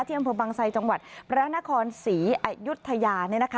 เที่ยงพลบังไซย์จังหวัดประนาคอลศรีอายุทยา